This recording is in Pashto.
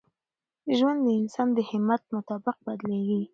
ژوند د انسان د همت مطابق بدلېږي.